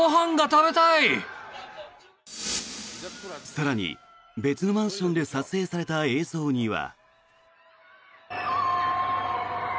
更に、別のマンションで撮影された映像には。